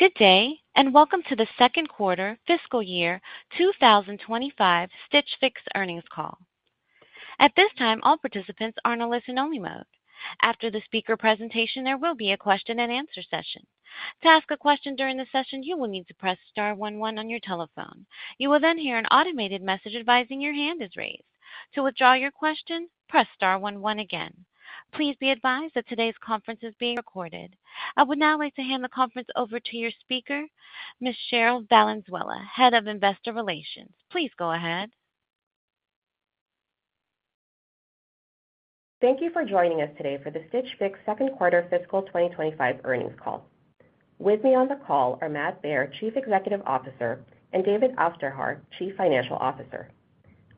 Good day, and welcome to the second quarter, fiscal year 2025 Stitch Fix earnings call. At this time, all participants are on a listen-only mode. After the speaker presentation, there will be a question-and-answer session. To ask a question during the session, you will need to press star one one on your telephone. You will then hear an automated message advising your hand is raised. To withdraw your question, press star one one again. Please be advised that today's conference is being recorded. I would now like to hand the conference over to your speaker, Ms. Cherryl Valenzuela, Head of Investor Relations. Please go ahead. Thank you for joining us today for the Stitch Fix second quarter fiscal 2025 earnings call. With me on the call are Matt Baer, Chief Executive Officer, and David Aufderhaar, Chief Financial Officer.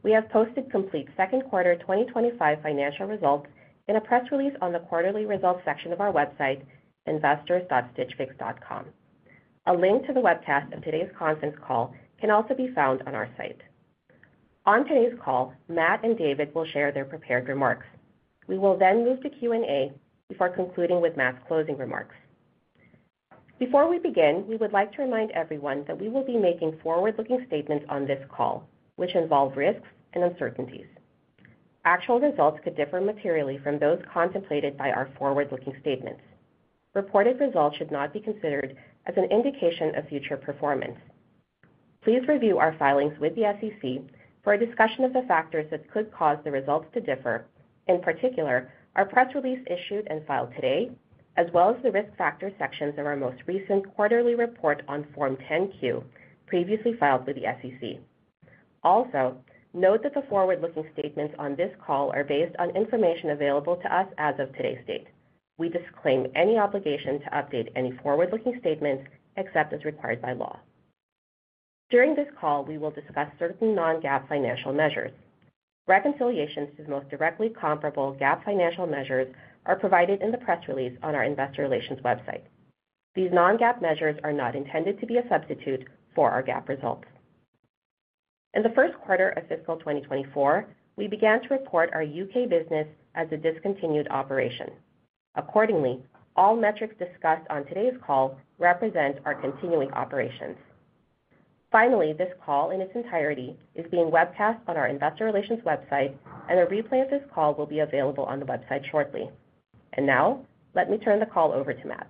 We have posted complete second quarter 2025 financial results in a press release on the quarterly results section of our website, investors.stitchfix.com. A link to the webcast of today's conference call can also be found on our site. On today's call, Matt and David will share their prepared remarks. We will then move to Q&A before concluding with Matt's closing remarks. Before we begin, we would like to remind everyone that we will be making forward-looking statements on this call, which involve risks and uncertainties. Actual results could differ materially from those contemplated by our forward-looking statements. Reported results should not be considered as an indication of future performance. Please review our filings with the SEC for a discussion of the factors that could cause the results to differ. In particular, our press release issued and filed today, as well as the risk factor sections of our most recent quarterly report on Form 10-Q, previously filed with the SEC. Also, note that the forward-looking statements on this call are based on information available to us as of today's date. We disclaim any obligation to update any forward-looking statements except as required by law. During this call, we will discuss certain non-GAAP financial measures. Reconciliations to the most directly comparable GAAP financial measures are provided in the press release on our investor relations website. These non-GAAP measures are not intended to be a substitute for our GAAP results. In the first quarter of fiscal 2024, we began to report our U.K. business as a discontinued operation. Accordingly, all metrics discussed on today's call represent our continuing operations. Finally, this call in its entirety is being webcast on our investor relations website, and a replay of this call will be available on the website shortly. Now, let me turn the call over to Matt.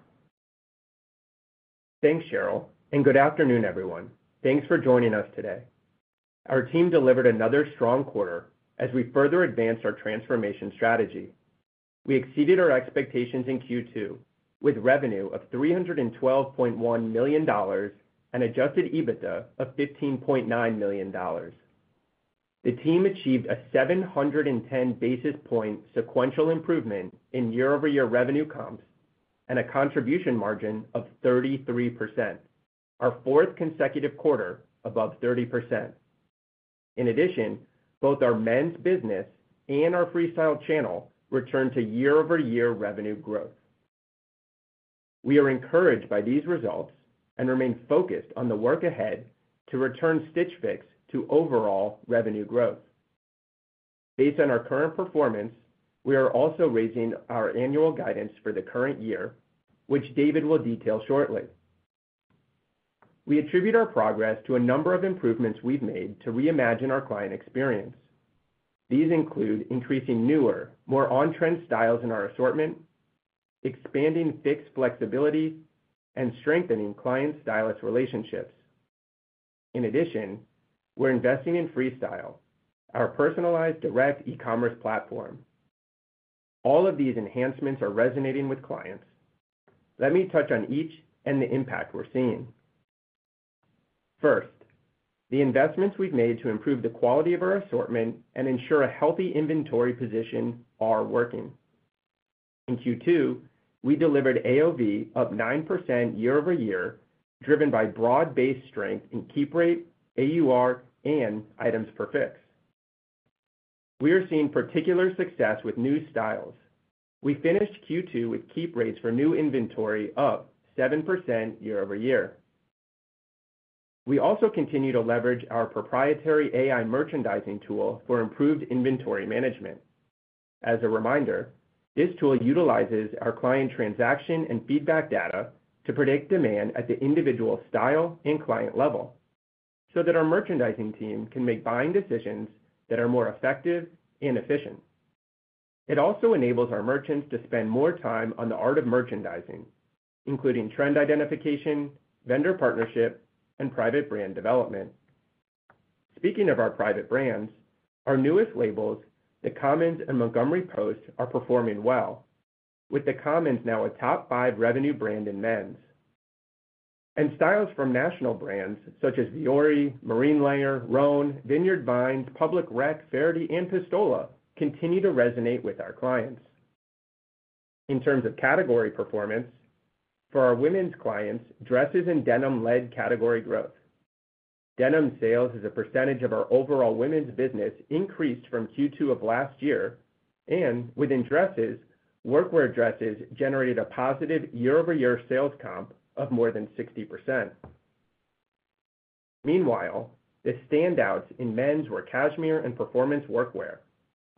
Thanks, Cheryl, and good afternoon, everyone. Thanks for joining us today. Our team delivered another strong quarter as we further advanced our transformation strategy. We exceeded our expectations in Q2 with revenue of $312.1 million and adjusted EBITDA of $15.9 million. The team achieved a 710 basis point sequential improvement in year-over-year revenue comps and a contribution margin of 33%, our fourth consecutive quarter above 30%. In addition, both our men's business and our Freestyle channel returned to year-over-year revenue growth. We are encouraged by these results and remain focused on the work ahead to return Stitch Fix to overall revenue growth. Based on our current performance, we are also raising our annual guidance for the current year, which David will detail shortly. We attribute our progress to a number of improvements we've made to reimagine our client experience. These include increasing newer, more on-trend styles in our assortment, expanding Fix flexibility, and strengthening client-stylist relationships. In addition, we're investing in Freestyle, our personalized direct e-commerce platform. All of these enhancements are resonating with clients. Let me touch on each and the impact we're seeing. First, the investments we've made to improve the quality of our assortment and ensure a healthy inventory position are working. In Q2, we delivered AOV up 9% year-over-year, driven by broad-based strength in keep rate, AUR, and items per Fix. We are seeing particular success with new styles. We finished Q2 with keep rates for new inventory up 7% year-over-year. We also continue to leverage our proprietary AI merchandising tool for improved inventory management. As a reminder, this tool utilizes our client transaction and feedback data to predict demand at the individual style and client level so that our merchandising team can make buying decisions that are more effective and efficient. It also enables our merchants to spend more time on the art of merchandising, including trend identification, vendor partnership, and private brand development. Speaking of our private brands, our newest labels, The Commons and Montgomery Post, are performing well, with The Commons now a top five revenue brand in men's. Styles from national brands such as Vuori, Marine Layer, Rhone, Vineyard Vines, Public Rec, Faherty, and Pistola continue to resonate with our clients. In terms of category performance, for our women's clients, dresses and denim led category growth. Denim sales as a percentage of our overall women's business increased from Q2 of last year, and within dresses, workwear dresses generated a positive year-over-year sales comp of more than 60%. Meanwhile, the standouts in men's were cashmere and performance workwear,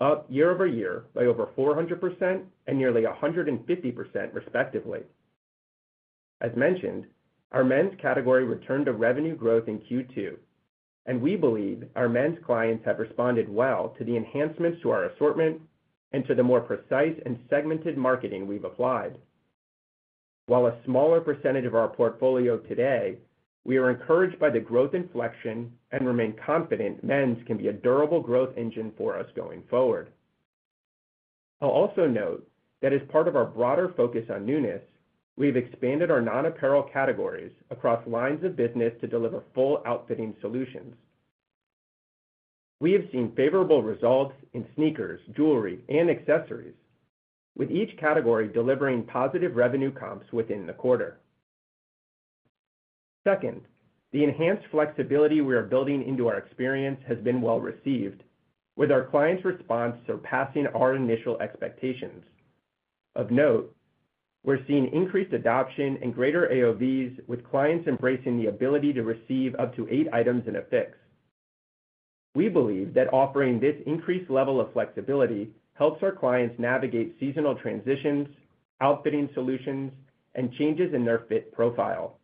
up year-over-year by over 400% and nearly 150%, respectively. As mentioned, our men's category returned to revenue growth in Q2, and we believe our men's clients have responded well to the enhancements to our assortment and to the more precise and segmented marketing we've applied. While a smaller percentage of our portfolio today, we are encouraged by the growth inflection and remain confident men's can be a durable growth engine for us going forward. I'll also note that as part of our broader focus on newness, we have expanded our non-apparel categories across lines of business to deliver full outfitting solutions. We have seen favorable results in sneakers, jewelry, and accessories, with each category delivering positive revenue comps within the quarter. Second, the enhanced flexibility we are building into our experience has been well received, with our clients' response surpassing our initial expectations. Of note, we're seeing increased adoption and greater AOVs with clients embracing the ability to receive up to eight items in a Fix. We believe that offering this increased level of flexibility helps our clients navigate seasonal transitions, outfitting solutions, and changes in their fit profile,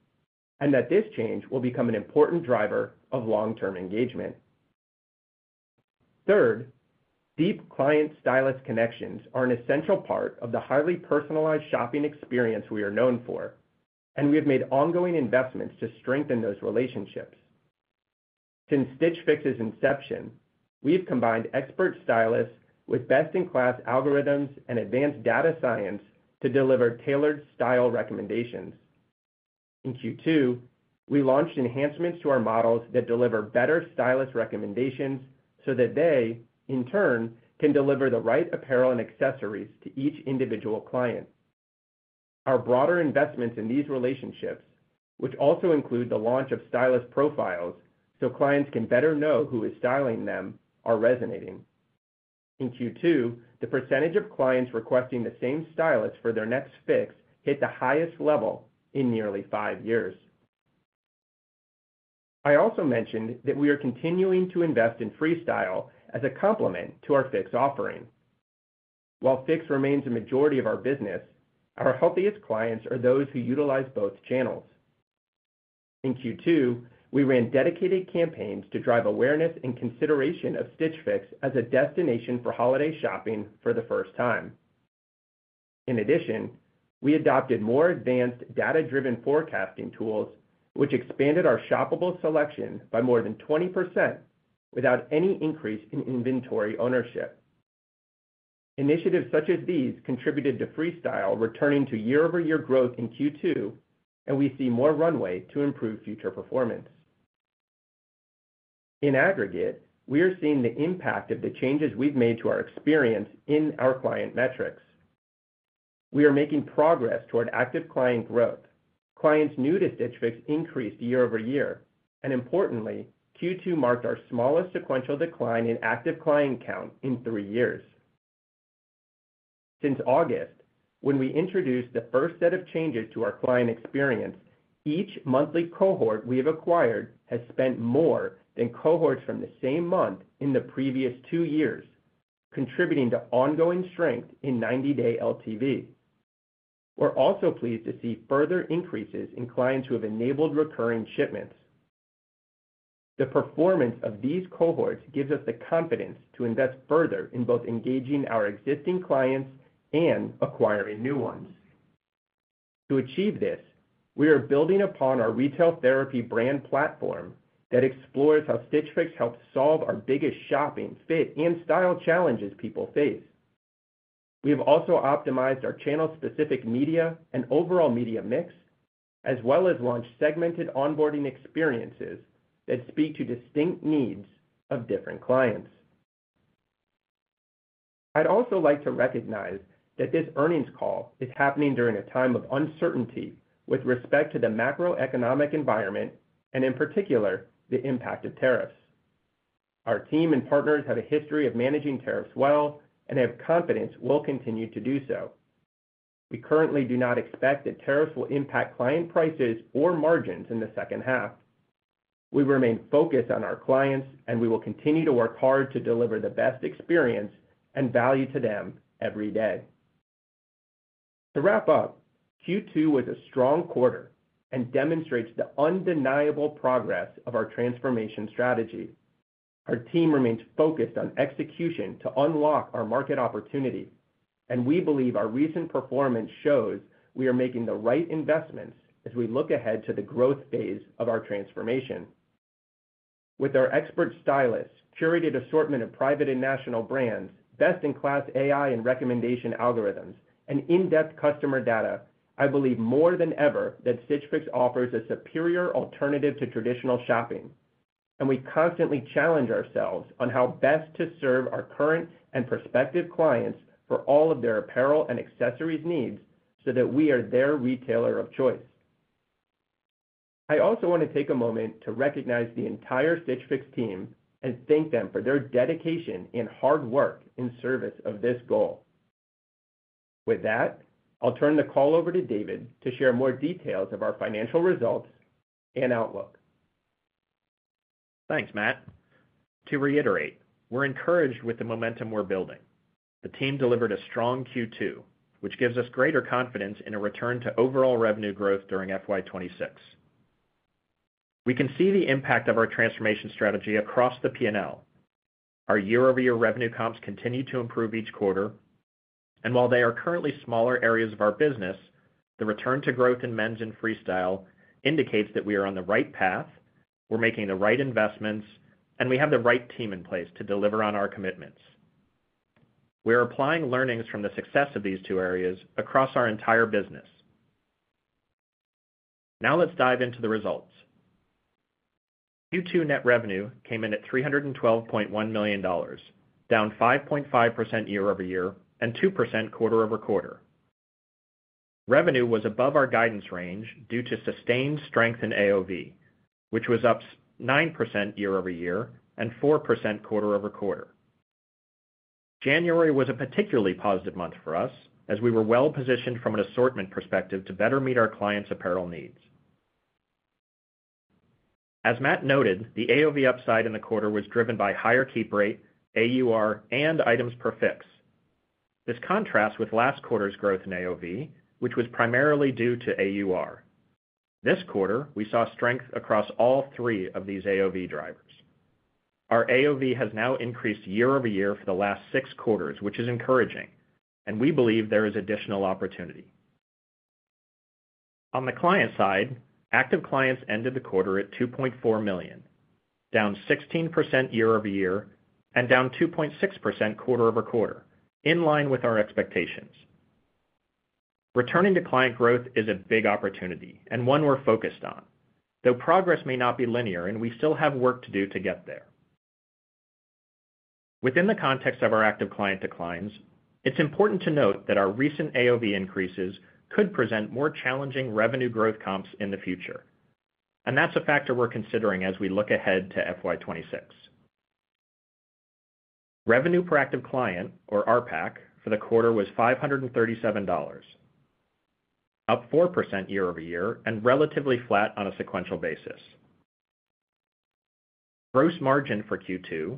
and that this change will become an important driver of long-term engagement. Third, deep client-stylist connections are an essential part of the highly personalized shopping experience we are known for, and we have made ongoing investments to strengthen those relationships. Since Stitch Fix's inception, we have combined expert stylists with best-in-class algorithms and advanced data science to deliver tailored style recommendations. In Q2, we launched enhancements to our models that deliver better stylist recommendations so that they, in turn, can deliver the right apparel and accessories to each individual client. Our broader investments in these relationships, which also include the launch of stylist profiles so clients can better know who is styling them, are resonating. In Q2, the percentage of clients requesting the same stylist for their next Fix hit the highest level in nearly five years. I also mentioned that we are continuing to invest in Freestyle as a complement to our Fix offering. While Fix remains a majority of our business, our healthiest clients are those who utilize both channels. In Q2, we ran dedicated campaigns to drive awareness and consideration of Stitch Fix as a destination for holiday shopping for the first time. In addition, we adopted more advanced data-driven forecasting tools, which expanded our shoppable selection by more than 20% without any increase in inventory ownership. Initiatives such as these contributed to Freestyle returning to year-over-year growth in Q2, and we see more runway to improve future performance. In aggregate, we are seeing the impact of the changes we have made to our experience in our client metrics. We are making progress toward active client growth. Clients new to Stitch Fix increased year-over-year, and importantly, Q2 marked our smallest sequential decline in active client count in three years. Since August, when we introduced the first set of changes to our client experience, each monthly cohort we have acquired has spent more than cohorts from the same month in the previous two years, contributing to ongoing strength in 90-day LTV. We are also pleased to see further increases in clients who have enabled recurring shipments. The performance of these cohorts gives us the confidence to invest further in both engaging our existing clients and acquiring new ones. To achieve this, we are building upon our retail therapy brand platform that explores how Stitch Fix helps solve our biggest shopping, fit, and style challenges people face. We have also optimized our channel-specific media and overall media mix, as well as launched segmented onboarding experiences that speak to distinct needs of different clients. I'd also like to recognize that this earnings call is happening during a time of uncertainty with respect to the macroeconomic environment and, in particular, the impact of tariffs. Our team and partners have a history of managing tariffs well and have confidence we'll continue to do so. We currently do not expect that tariffs will impact client prices or margins in the second half. We remain focused on our clients, and we will continue to work hard to deliver the best experience and value to them every day. To wrap up, Q2 was a strong quarter and demonstrates the undeniable progress of our transformation strategy. Our team remains focused on execution to unlock our market opportunity, and we believe our recent performance shows we are making the right investments as we look ahead to the growth phase of our transformation. With our expert stylists, curated assortment of private and national brands, best-in-class AI and recommendation algorithms, and in-depth customer data, I believe more than ever that Stitch Fix offers a superior alternative to traditional shopping, and we constantly challenge ourselves on how best to serve our current and prospective clients for all of their apparel and accessories needs so that we are their retailer of choice. I also want to take a moment to recognize the entire Stitch Fix team and thank them for their dedication and hard work in service of this goal. With that, I'll turn the call over to David to share more details of our financial results and outlook. Thanks, Matt. To reiterate, we're encouraged with the momentum we're building. The team delivered a strong Q2, which gives us greater confidence in a return to overall revenue growth during FY 2026. We can see the impact of our transformation strategy across the P&L. Our year-over-year revenue comps continue to improve each quarter, and while they are currently smaller areas of our business, the return to growth in men's and Freestyle indicates that we are on the right path, we're making the right investments, and we have the right team in place to deliver on our commitments. We are applying learnings from the success of these two areas across our entire business. Now let's dive into the results. Q2 net revenue came in at $312.1 million, down 5.5% year-over-year and 2% quarter-over-quarter. Revenue was above our guidance range due to sustained strength in AOV, which was up 9% year-over-year and 4% quarter-over-quarter. January was a particularly positive month for us as we were well-positioned from an assortment perspective to better meet our clients' apparel needs. As Matt noted, the AOV upside in the quarter was driven by higher keep rate, AUR, and items per Fix. This contrasts with last quarter's growth in AOV, which was primarily due to AUR. This quarter, we saw strength across all three of these AOV drivers. Our AOV has now increased year-over-year for the last six quarters, which is encouraging, and we believe there is additional opportunity. On the client side, active clients ended the quarter at 2.4 million, down 16% year-over-year and down 2.6% quarter-over-quarter, in line with our expectations. Returning to client growth is a big opportunity and one we're focused on, though progress may not be linear and we still have work to do to get there. Within the context of our active client declines, it's important to note that our recent AOV increases could present more challenging revenue growth comps in the future, and that's a factor we're considering as we look ahead to FY 2026. Revenue per active client, or RPAC, for the quarter was $537, up 4% year-over-year and relatively flat on a sequential basis. Gross margin for Q2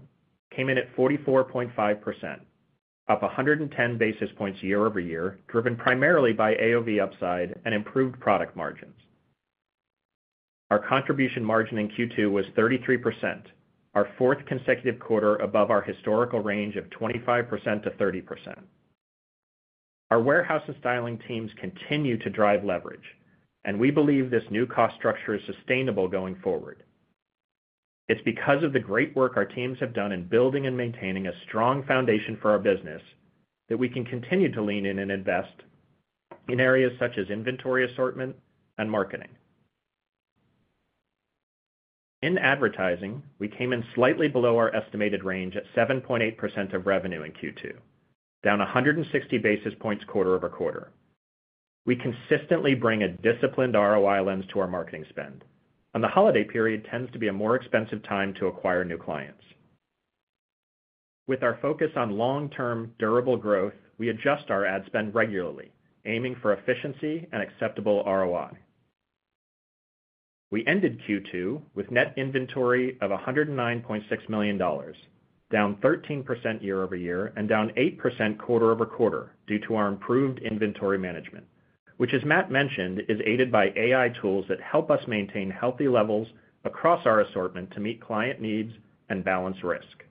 came in at 44.5%, up 110 basis points year-over-year, driven primarily by AOV upside and improved product margins. Our contribution margin in Q2 was 33%, our fourth consecutive quarter above our historical range of 25%-30%. Our warehouse and styling teams continue to drive leverage, and we believe this new cost structure is sustainable going forward. It's because of the great work our teams have done in building and maintaining a strong foundation for our business that we can continue to lean in and invest in areas such as inventory assortment and marketing. In advertising, we came in slightly below our estimated range at 7.8% of revenue in Q2, down 160 basis points quarter-over-quarter. We consistently bring a disciplined ROI lens to our marketing spend, and the holiday period tends to be a more expensive time to acquire new clients. With our focus on long-term durable growth, we adjust our ad spend regularly, aiming for efficiency and acceptable ROI. We ended Q2 with net inventory of $109.6 million, down 13% year-over-year and down 8% quarter-over-quarter due to our improved inventory management, which, as Matt mentioned, is aided by AI tools that help us maintain healthy levels across our assortment to meet client needs and balance risk.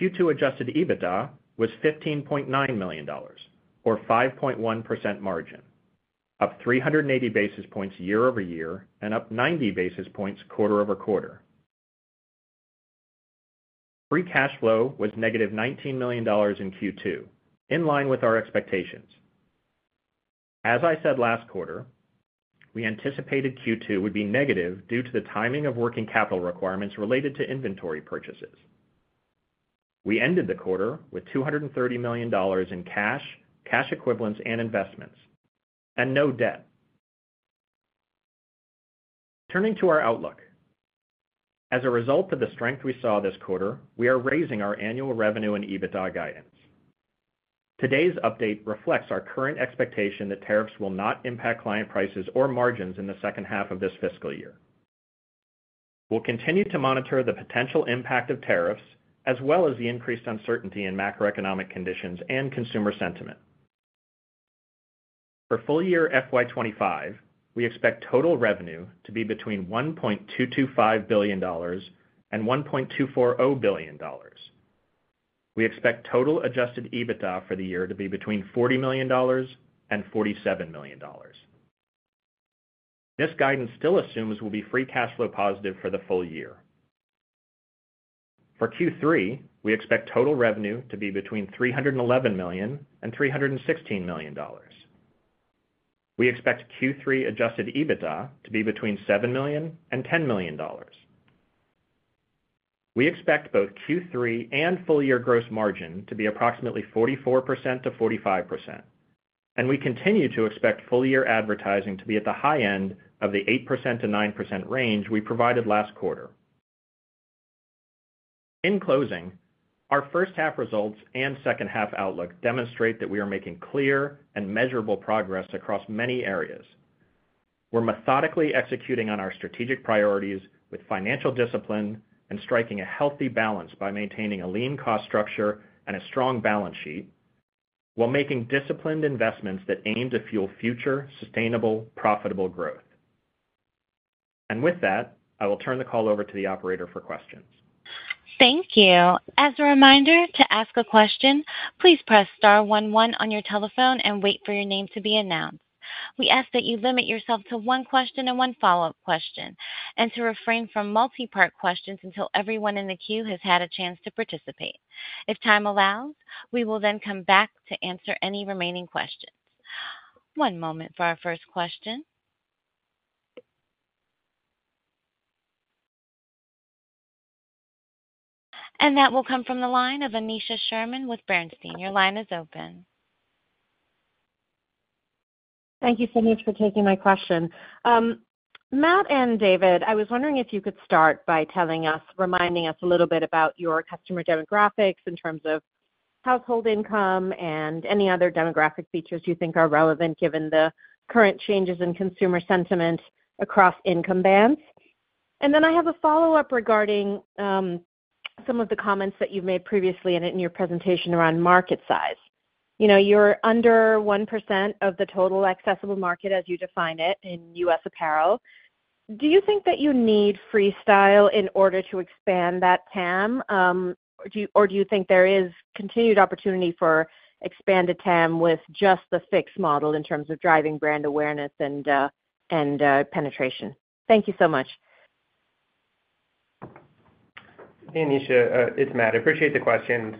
Q2 adjusted EBITDA was $15.9 million, or 5.1% margin, up 380 basis points year-over-year and up 90 basis points quarter-over-quarter. Free cash flow was -$19 million in Q2, in line with our expectations. As I said last quarter, we anticipated Q2 would be negative due to the timing of working capital requirements related to inventory purchases. We ended the quarter with $230 million in cash, cash equivalents, and investments, and no debt. Turning to our outlook, as a result of the strength we saw this quarter, we are raising our annual revenue and EBITDA guidance. Today's update reflects our current expectation that tariffs will not impact client prices or margins in the second half of this fiscal year. We will continue to monitor the potential impact of tariffs as well as the increased uncertainty in macroeconomic conditions and consumer sentiment. For full year FY 2025, we expect total revenue to be between $1.225 billion and $1.240 billion. We expect total adjusted EBITDA for the year to be between $40 million-$47 million. This guidance still assumes we'll be free cash flow positive for the full year. For Q3, we expect total revenue to be between $311 million-$316 million. We expect Q3 adjusted EBITDA to be between $7 million-$10 million. We expect both Q3 and full year gross margin to be approximately 44%-45%, and we continue to expect full year advertising to be at the high end of the 8%-9% range we provided last quarter. In closing, our first half results and second half outlook demonstrate that we are making clear and measurable progress across many areas. are methodically executing on our strategic priorities with financial discipline and striking a healthy balance by maintaining a lean cost structure and a strong balance sheet while making disciplined investments that aim to fuel future sustainable, profitable growth. With that, I will turn the call over to the operator for questions. Thank you. As a reminder, to ask a question, please press star one one on your telephone and wait for your name to be announced. We ask that you limit yourself to one question and one follow-up question and to refrain from multi-part questions until everyone in the queue has had a chance to participate. If time allows, we will then come back to answer any remaining questions. One moment for our first question. That will come from the line of Aneesha Sherman with Bernstein. Your line is open. Thank you so much for taking my question. Matt and David, I was wondering if you could start by telling us, reminding us a little bit about your customer demographics in terms of household income and any other demographic features you think are relevant given the current changes in consumer sentiment across income bands. I have a follow-up regarding some of the comments that you've made previously in your presentation around market size. You're under 1% of the total accessible market as you define it in US apparel. Do you think that you need Freestyle in order to expand that TAM, or do you think there is continued opportunity for expanded TAM with just the Fix model in terms of driving brand awareness and penetration? Thank you so much. Hey, Aneesha. It's Matt. I appreciate the questions.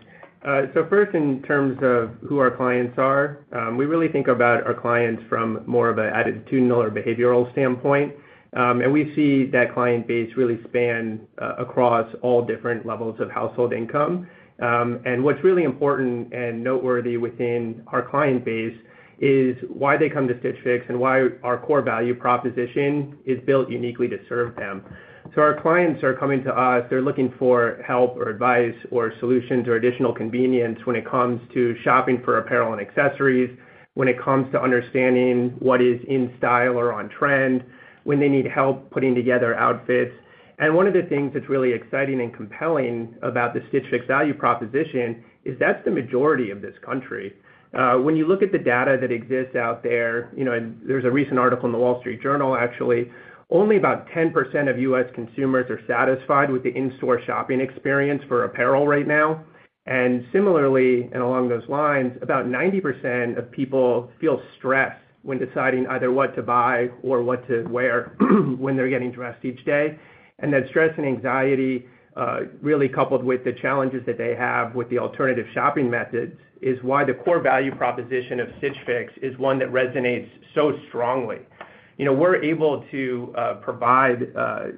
First, in terms of who our clients are, we really think about our clients from more of an attitudinal or behavioral standpoint, and we see that client base really span across all different levels of household income. What's really important and noteworthy within our client base is why they come to Stitch Fix and why our core value proposition is built uniquely to serve them. Our clients are coming to us; they're looking for help or advice or solutions or additional convenience when it comes to shopping for apparel and accessories, when it comes to understanding what is in style or on trend, when they need help putting together outfits. One of the things that's really exciting and compelling about the Stitch Fix value proposition is that's the majority of this country. When you look at the data that exists out there, there's a recent article in The Wall Street Journal, actually. Only about 10% of US consumers are satisfied with the in-store shopping experience for apparel right now. Similarly, and along those lines, about 90% of people feel stressed when deciding either what to buy or what to wear when they're getting dressed each day. That stress and anxiety, really coupled with the challenges that they have with the alternative shopping methods, is why the core value proposition of Stitch Fix is one that resonates so strongly. We're able to provide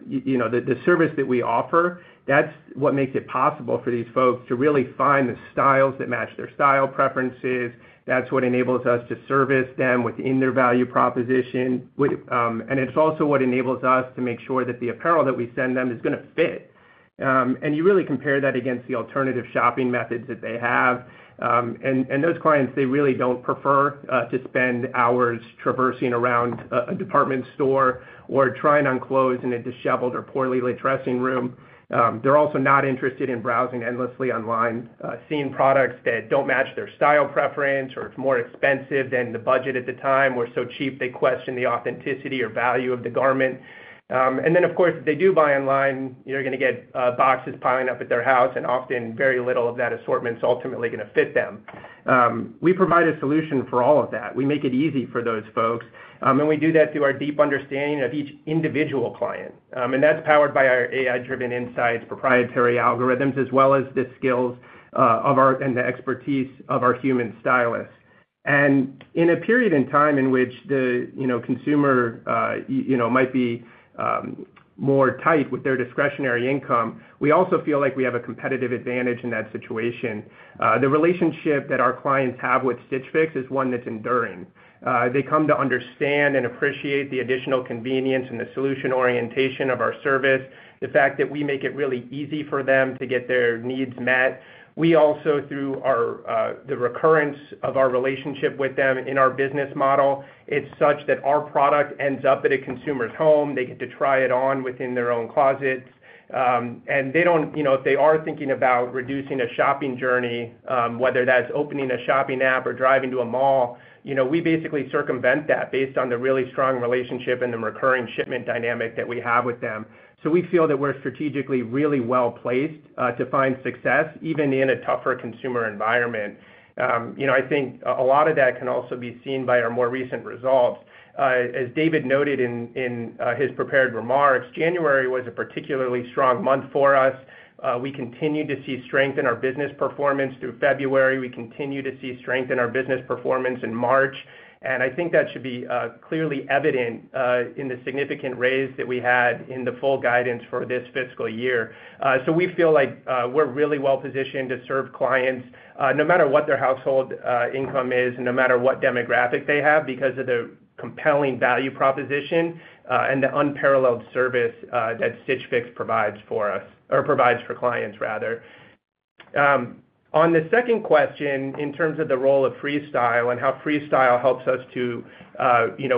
the service that we offer. That's what makes it possible for these folks to really find the styles that match their style preferences. That's what enables us to service them within their value proposition, and it's also what enables us to make sure that the apparel that we send them is going to fit. You really compare that against the alternative shopping methods that they have. Those clients, they really don't prefer to spend hours traversing around a department store or trying on clothes in a disheveled or poorly-lit dressing room. They're also not interested in browsing endlessly online, seeing products that don't match their style preference or it's more expensive than the budget at the time or so cheap they question the authenticity or value of the garment. Of course, if they do buy online, they're going to get boxes piling up at their house, and often very little of that assortment is ultimately going to fit them. We provide a solution for all of that. We make it easy for those folks, and we do that through our deep understanding of each individual client. That is powered by our AI-driven insights, proprietary algorithms, as well as the skills and the expertise of our human stylists. In a period in time in which the consumer might be more tight with their discretionary income, we also feel like we have a competitive advantage in that situation. The relationship that our clients have with Stitch Fix is one that is enduring. They come to understand and appreciate the additional convenience and the solution orientation of our service, the fact that we make it really easy for them to get their needs met. Through the recurrence of our relationship with them in our business model, it is such that our product ends up at a consumer's home. They get to try it on within their own closets. If they are thinking about reducing a shopping journey, whether that's opening a shopping app or driving to a mall, we basically circumvent that based on the really strong relationship and the recurring shipment dynamic that we have with them. We feel that we are strategically really well placed to find success, even in a tougher consumer environment. I think a lot of that can also be seen by our more recent results. As David noted in his prepared remarks, January was a particularly strong month for us. We continue to see strength in our business performance through February. We continue to see strength in our business performance in March. I think that should be clearly evident in the significant raise that we had in the full guidance for this fiscal year. We feel like we're really well positioned to serve clients no matter what their household income is, no matter what demographic they have, because of the compelling value proposition and the unparalleled service that Stitch Fix provides for us, or provides for clients, rather. On the second question, in terms of the role of Freestyle and how Freestyle helps us to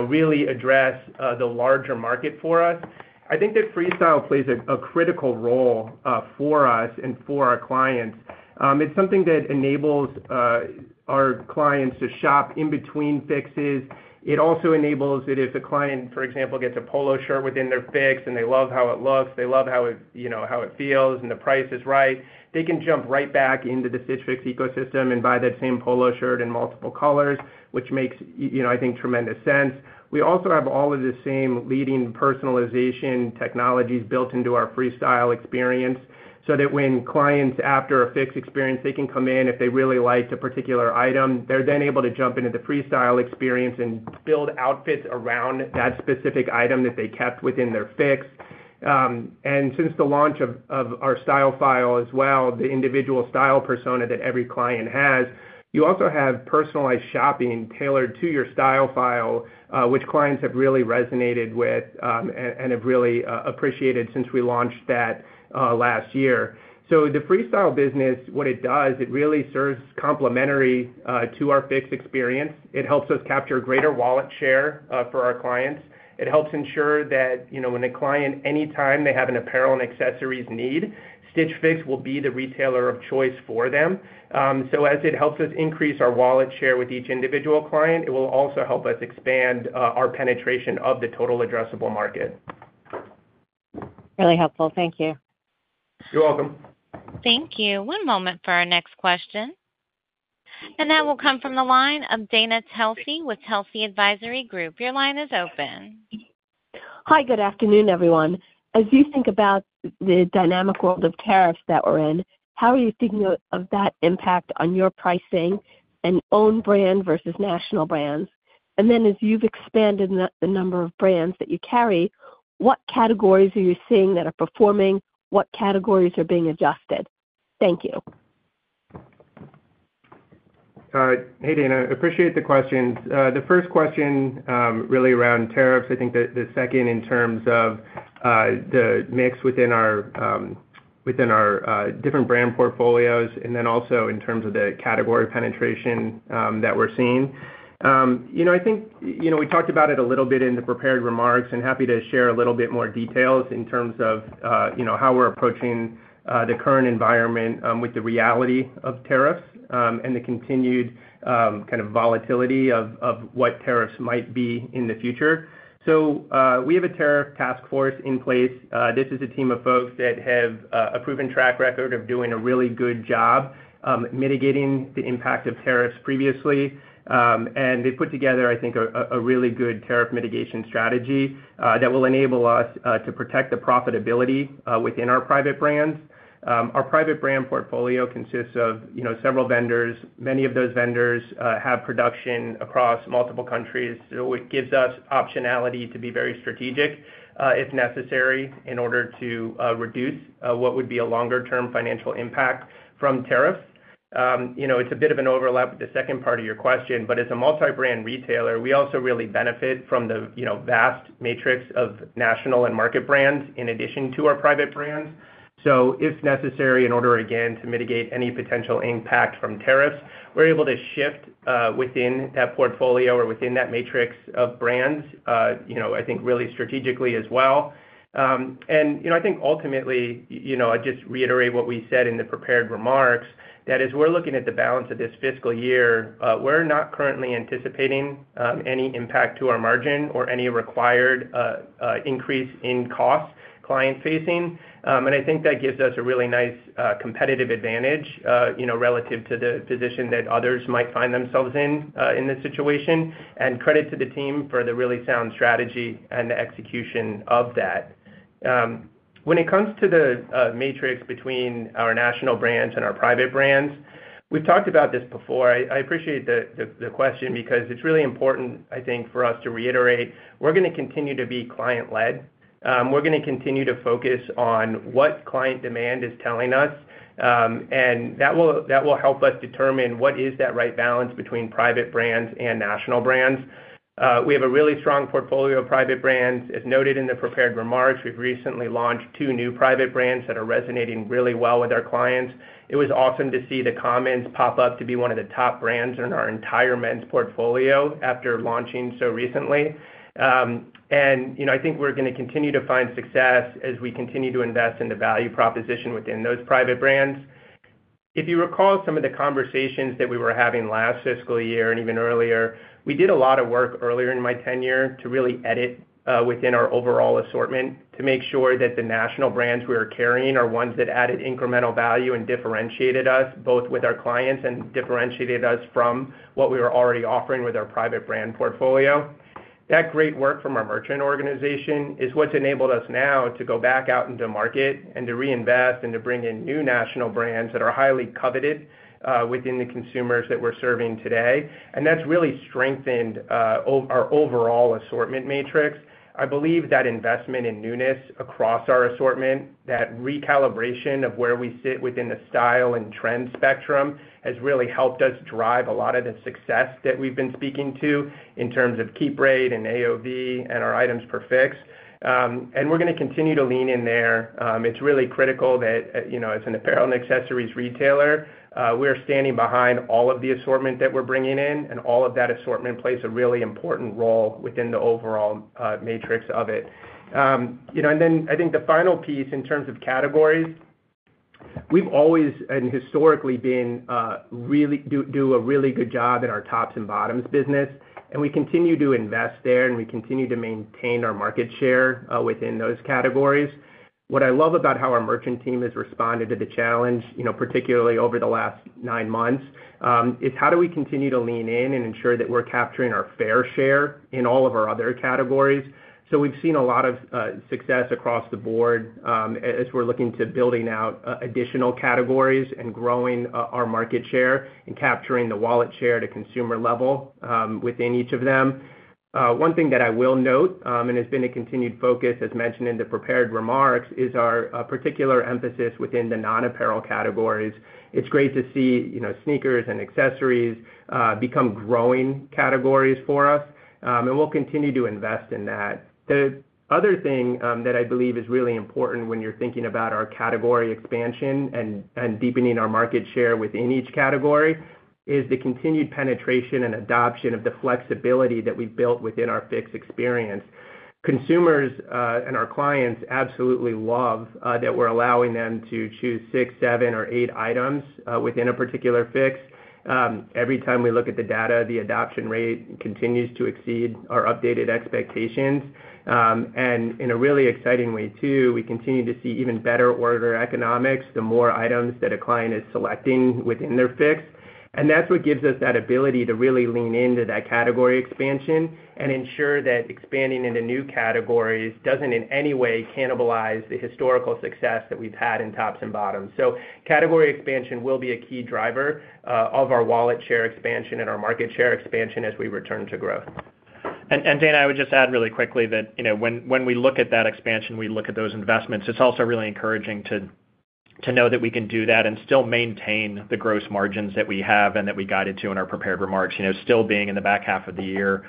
really address the larger market for us, I think that Freestyle plays a critical role for us and for our clients. It's something that enables our clients to shop in between Fixes. It also enables that if a client, for example, gets a polo shirt within their Fix and they love how it looks, they love how it feels, and the price is right, they can jump right back into the Stitch Fix ecosystem and buy that same polo shirt in multiple colors, which makes, I think, tremendous sense. We also have all of the same leading personalization technologies built into our Freestyle experience so that when clients after a Fix experience, they can come in if they really like a particular item. They're then able to jump into the Freestyle experience and build outfits around that specific item that they kept within their Fix. Since the launch of our style file as well, the individual style persona that every client has, you also have personalized shopping tailored to your style file, which clients have really resonated with and have really appreciated since we launched that last year. The Freestyle business, what it does, it really serves complementary to our Fix experience. It helps us capture a greater wallet share for our clients. It helps ensure that when a client, anytime they have an apparel and accessories need, Stitch Fix will be the retailer of choice for them. As it helps us increase our wallet share with each individual client, it will also help us expand our penetration of the total addressable market. Really helpful. Thank you. You're welcome. Thank you. One moment for our next question. That will come from the line of Dana Telsey with Telsey Advisory Group. Your line is open. Hi. Good afternoon, everyone. As you think about the dynamic world of tariffs that we're in, how are you thinking of that impact on your pricing and own brand versus national brands? As you've expanded the number of brands that you carry, what categories are you seeing that are performing? What categories are being adjusted? Thank you. Hi, Dana. Appreciate the questions. The first question really around tariffs, I think the second in terms of the mix within our different brand portfolios, and then also in terms of the category penetration that we're seeing. I think we talked about it a little bit in the prepared remarks and happy to share a little bit more details in terms of how we're approaching the current environment with the reality of tariffs and the continued kind of volatility of what tariffs might be in the future. We have a tariff task force in place. This is a team of folks that have a proven track record of doing a really good job mitigating the impact of tariffs previously. They put together, I think, a really good tariff mitigation strategy that will enable us to protect the profitability within our private brands. Our private brand portfolio consists of several vendors. Many of those vendors have production across multiple countries. It gives us optionality to be very strategic if necessary in order to reduce what would be a longer-term financial impact from tariffs. It is a bit of an overlap with the second part of your question, but as a multi-brand retailer, we also really benefit from the vast matrix of national and market brands in addition to our private brands. If necessary, in order, again, to mitigate any potential impact from tariffs, we are able to shift within that portfolio or within that matrix of brands, I think, really strategically as well. I think ultimately, I just reiterate what we said in the prepared remarks, that as we're looking at the balance of this fiscal year, we're not currently anticipating any impact to our margin or any required increase in cost client-facing. I think that gives us a really nice competitive advantage relative to the position that others might find themselves in in this situation. Credit to the team for the really sound strategy and the execution of that. When it comes to the matrix between our national brands and our private brands, we've talked about this before. I appreciate the question because it's really important, I think, for us to reiterate. We're going to continue to be client-led. We're going to continue to focus on what client demand is telling us, and that will help us determine what is that right balance between private brands and national brands. We have a really strong portfolio of private brands. As noted in the prepared remarks, we've recently launched two new private brands that are resonating really well with our clients. It was awesome to see The Commons pop up to be one of the top brands in our entire men's portfolio after launching so recently. I think we're going to continue to find success as we continue to invest in the value proposition within those private brands. If you recall some of the conversations that we were having last fiscal year and even earlier, we did a lot of work earlier in my tenure to really edit within our overall assortment to make sure that the national brands we were carrying are ones that added incremental value and differentiated us both with our clients and differentiated us from what we were already offering with our private brand portfolio. That great work from our merchant organization is what's enabled us now to go back out into market and to reinvest and to bring in new national brands that are highly coveted within the consumers that we're serving today. That has really strengthened our overall assortment matrix. I believe that investment in newness across our assortment, that recalibration of where we sit within the style and trend spectrum has really helped us drive a lot of the success that we've been speaking to in terms of keep rate and AOV and our items per Fix. We're going to continue to lean in there. It's really critical that as an apparel and accessories retailer, we're standing behind all of the assortment that we're bringing in, and all of that assortment plays a really important role within the overall matrix of it. I think the final piece in terms of categories, we've always and historically been really do a really good job in our tops and bottoms business, and we continue to invest there, and we continue to maintain our market share within those categories. What I love about how our merchant team has responded to the challenge, particularly over the last nine months, is how do we continue to lean in and ensure that we're capturing our fair share in all of our other categories. We have seen a lot of success across the board as we're looking to building out additional categories and growing our market share and capturing the wallet share at a consumer level within each of them. One thing that I will note, and has been a continued focus, as mentioned in the prepared remarks, is our particular emphasis within the non-apparel categories. It's great to see sneakers and accessories become growing categories for us, and we'll continue to invest in that. The other thing that I believe is really important when you're thinking about our category expansion and deepening our market share within each category is the continued penetration and adoption of the flexibility that we've built within our Fix experience. Consumers and our clients absolutely love that we're allowing them to choose six, seven, or eight items within a particular Fix. Every time we look at the data, the adoption rate continues to exceed our updated expectations. In a really exciting way, too, we continue to see even better order economics the more items that a client is selecting within their Fix. That is what gives us that ability to really lean into that category expansion and ensure that expanding into new categories does not in any way cannibalize the historical success that we have had in tops and bottoms. Category expansion will be a key driver of our wallet share expansion and our market share expansion as we return to growth. Dana, I would just add really quickly that when we look at that expansion, we look at those investments, it is also really encouraging to know that we can do that and still maintain the gross margins that we have and that we guided to in our prepared remarks, still being in the back half of the year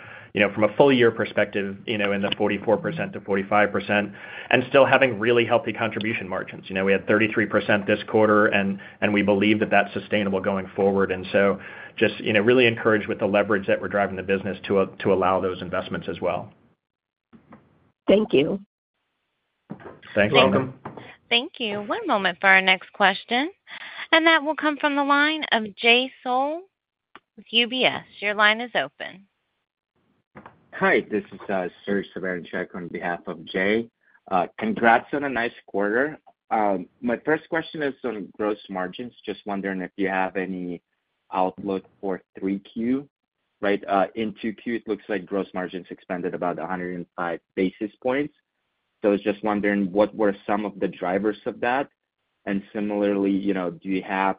from a full year perspective in the 44%-45% and still having really healthy contribution margins. We had 33% this quarter, and we believe that that is sustainable going forward. I am just really encouraged with the leverage that we are driving the business to allow those investments as well. Thank you. Thanks. You're welcome. Thank you. One moment for our next question. That will come from the line of Jay Sole with UBS. Your line is open. Hi. This is on behalf of Jay. Congrats on a nice quarter. My first question is on gross margins. Just wondering if you have any outlook for 3Q, right? In 2Q, it looks like gross margins expanded about 105 basis points. I was just wondering what were some of the drivers of that? Similarly, do you have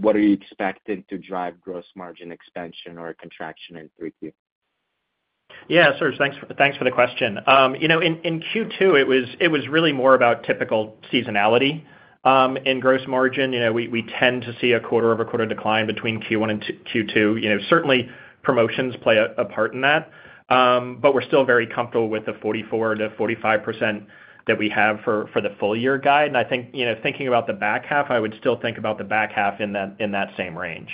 what are you expecting to drive gross margin expansion or contraction in 3Q? Yeah, Serge, thanks for the question. In Q2, it was really more about typical seasonality in gross margin. We tend to see a quarter-over-quarter decline between Q1 and Q2. Certainly, promotions play a part in that, but we're still very comfortable with the 44%-45% that we have for the full year guide. I think thinking about the back half, I would still think about the back half in that same range.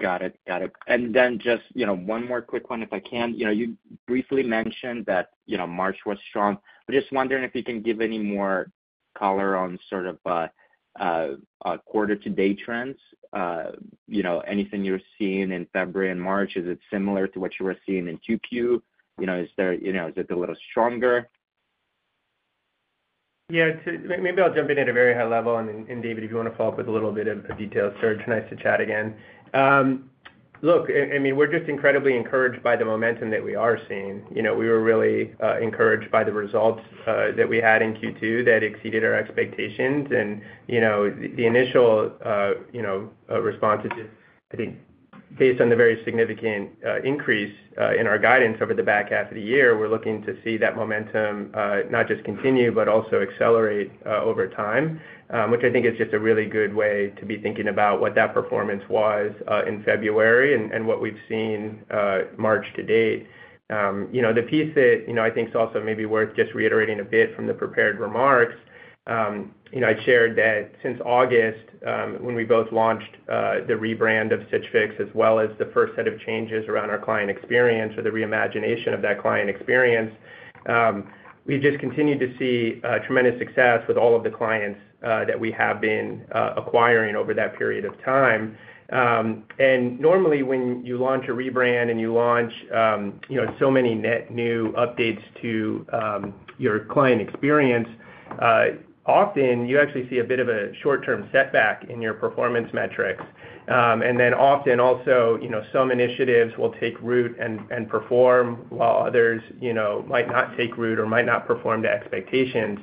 Got it. Got it. Just one more quick one, if I can. You briefly mentioned that March was strong. I'm just wondering if you can give any more color on sort of quarter-to-date trends. Anything you're seeing in February and March, is it similar to what you were seeing in Q2? Is it a little stronger? Yeah. Maybe I'll jump in at a very high level. David, if you want to follow up with a little bit of detail, Serge, nice to chat again. Look, I mean, we're just incredibly encouraged by the momentum that we are seeing. We were really encouraged by the results that we had in Q2 that exceeded our expectations. The initial response is just, I think, based on the very significant increase in our guidance over the back half of the year, we're looking to see that momentum not just continue, but also accelerate over time, which I think is just a really good way to be thinking about what that performance was in February and what we've seen March to date. The piece that I think is also maybe worth just reiterating a bit from the prepared remarks, I shared that since August, when we both launched the rebrand of Stitch Fix as well as the first set of changes around our client experience or the reimagination of that client experience, we just continued to see tremendous success with all of the clients that we have been acquiring over that period of time. Normally, when you launch a rebrand and you launch so many net new updates to your client experience, often you actually see a bit of a short-term setback in your performance metrics. Often also some initiatives will take root and perform while others might not take root or might not perform to expectations.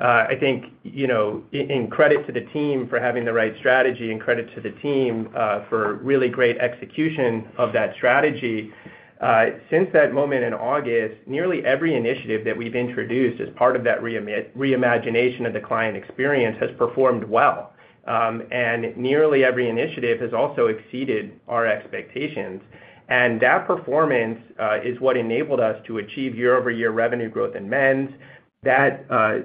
I think in credit to the team for having the right strategy and credit to the team for really great execution of that strategy, since that moment in August, nearly every initiative that we've introduced as part of that reimagination of the client experience has performed well. Nearly every initiative has also exceeded our expectations. That performance is what enabled us to achieve year-over-year revenue growth in men's. That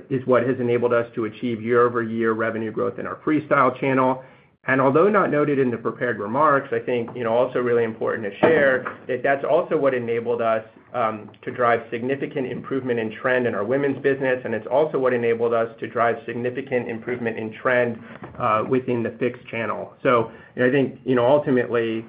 is what has enabled us to achieve year-over-year revenue growth in our Freestyle channel. Although not noted in the prepared remarks, I think also really important to share that that's also what enabled us to drive significant improvement in trend in our women's business. It's also what enabled us to drive significant improvement in trend within the Fix channel. I think ultimately,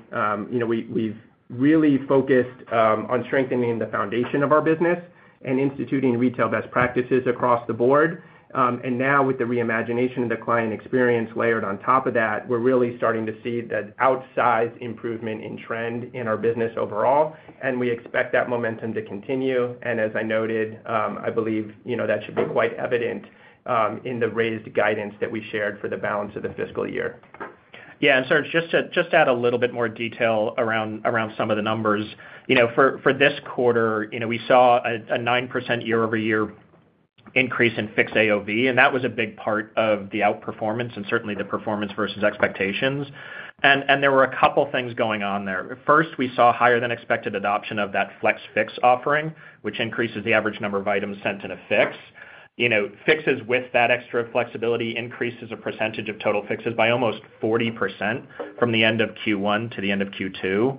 we've really focused on strengthening the foundation of our business and instituting retail best practices across the board. Now with the reimagination of the client experience layered on top of that, we're really starting to see that outsized improvement in trend in our business overall. We expect that momentum to continue. As I noted, I believe that should be quite evident in the raised guidance that we shared for the balance of the fiscal year. Yeah. Serge, just to add a little bit more detail around some of the numbers. For this quarter, we saw a 9% year-over-year increase in Fix AOV, and that was a big part of the outperformance and certainly the performance versus expectations. There were a couple of things going on there. First, we saw higher-than-expected adoption of that Flex Fix offering, which increases the average number of items sent in a Fix. Fixes with that extra flexibility increased as a percentage of total Fixes by almost 40% from the end of Q1 to the end of Q2.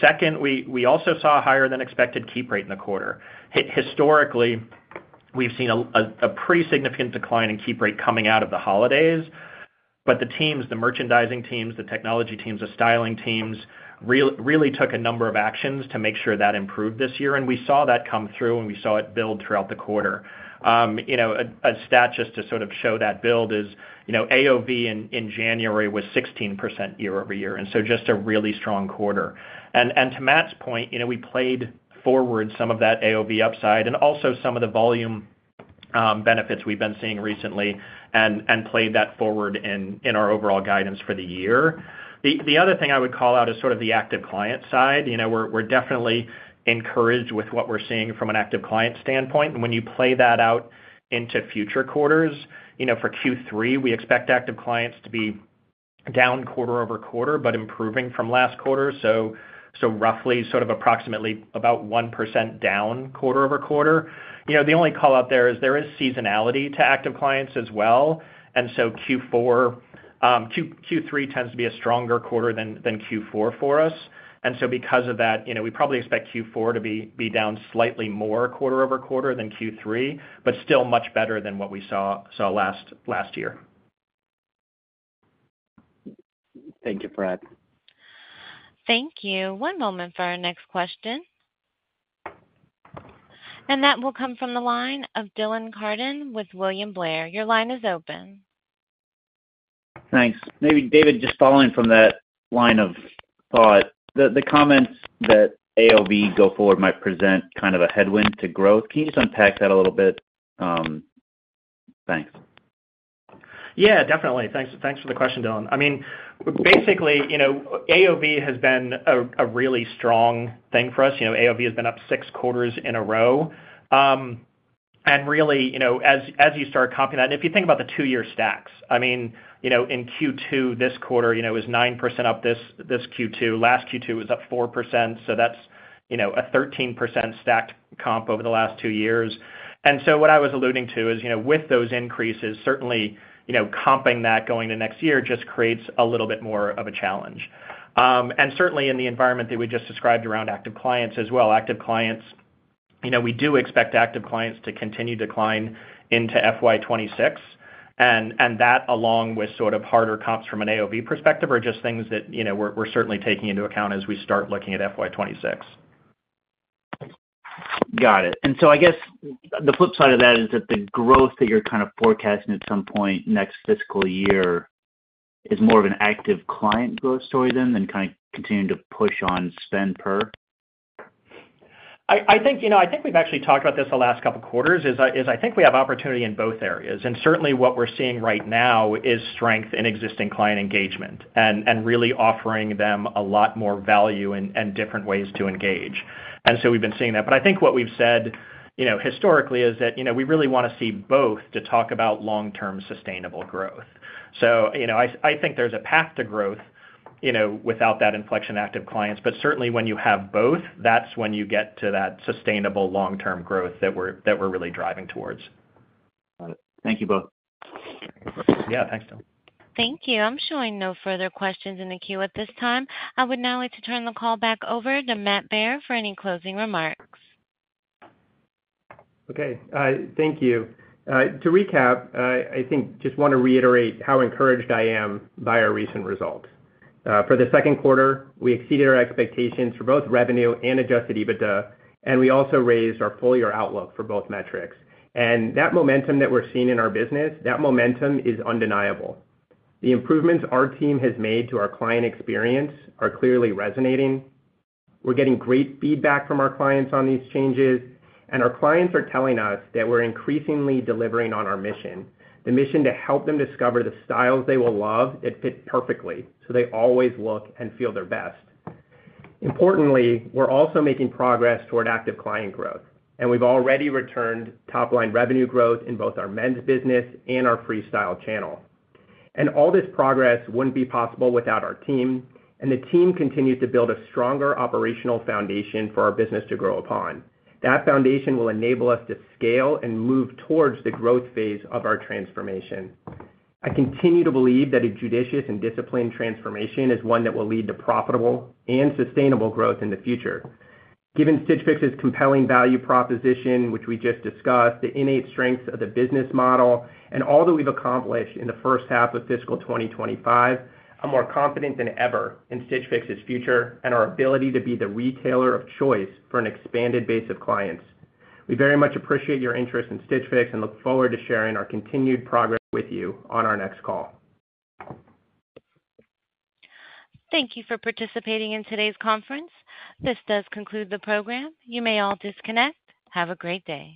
Second, we also saw a higher-than-expected keep rate in the quarter. Historically, we've seen a pretty significant decline in keep rate coming out of the holidays, but the teams, the merchandising teams, the technology teams, the styling teams really took a number of actions to make sure that improved this year. We saw that come through, and we saw it build throughout the quarter. A stat just to sort of show that build is AOV in January was 16% year-over-year. Just a really strong quarter. To Matt's point, we played forward some of that AOV upside and also some of the volume benefits we've been seeing recently and played that forward in our overall guidance for the year. The other thing I would call out is sort of the active client side. We're definitely encouraged with what we're seeing from an active client standpoint. When you play that out into future quarters, for Q3, we expect active clients to be down quarter-over-quarter, but improving from last quarter. Roughly sort of approximately about 1% down quarter-over-quarter. The only call out there is there is seasonality to active clients as well. Q3 tends to be a stronger quarter than Q4 for us. Because of that, we probably expect Q4 to be down slightly more quarter-over-quarter than Q3, but still much better than what we saw last year. Thank you, Brad. Thank you. One moment for our next question. That will come from the line of Dylan Carden with William Blair. Your line is open. Thanks. Maybe David, just following from that line of thought, the comments that AOV go forward might present kind of a headwind to growth. Can you just unpack that a little bit? Thanks. Yeah, definitely. Thanks for the question, Dylan. I mean, basically, AOV has been a really strong thing for us. AOV has been up six quarters in a row. Really, as you start copying that, and if you think about the two-year stacks, I mean, in Q2 this quarter, it was 9% up this Q2. Last Q2, it was up 4%. That is a 13% stacked comp over the last two years. What I was alluding to is with those increases, certainly comping that going to next year just creates a little bit more of a challenge. Certainly in the environment that we just described around active clients as well, active clients, we do expect active clients to continue to climb into FY 2026. That, along with sort of harder comps from an AOV perspective, are just things that we're certainly taking into account as we start looking at FY 2026. Got it. I guess the flip side of that is that the growth that you're kind of forecasting at some point next fiscal year is more of an active client growth story then than kind of continuing to push on spend per? I think we've actually talked about this the last couple of quarters. I think we have opportunity in both areas. Certainly what we're seeing right now is strength in existing client engagement and really offering them a lot more value and different ways to engage. We've been seeing that. I think what we've said historically is that we really want to see both to talk about long-term sustainable growth. I think there's a path to growth without that inflection active clients. Certainly when you have both, that's when you get to that sustainable long-term growth that we're really driving towards. Got it. Thank you both. Yeah. Thanks, Dylan. Thank you. I am sure I know further questions in the queue at this time. I would now like to turn the call back over to Matt Baer for any closing remarks. Okay. Thank you. To recap, I think just want to reiterate how encouraged I am by our recent results. For the second quarter, we exceeded our expectations for both revenue and adjusted EBITDA, and we also raised our full year outlook for both metrics. That momentum that we're seeing in our business, that momentum is undeniable. The improvements our team has made to our client experience are clearly resonating. We're getting great feedback from our clients on these changes. Our clients are telling us that we're increasingly delivering on our mission, the mission to help them discover the styles they will love that fit perfectly so they always look and feel their best. Importantly, we're also making progress toward active client growth. We've already returned top-line revenue growth in both our men's business and our Freestyle channel. All this progress wouldn't be possible without our team. The team continues to build a stronger operational foundation for our business to grow upon. That foundation will enable us to scale and move towards the growth phase of our transformation. I continue to believe that a judicious and disciplined transformation is one that will lead to profitable and sustainable growth in the future. Given Stitch Fix's compelling value proposition, which we just discussed, the innate strengths of the business model, and all that we've accomplished in the first half of fiscal 2025, I'm more confident than ever in Stitch Fix's future and our ability to be the retailer of choice for an expanded base of clients. We very much appreciate your interest in Stitch Fix and look forward to sharing our continued progress with you on our next call. Thank you for participating in today's conference. This does conclude the program. You may all disconnect. Have a great day.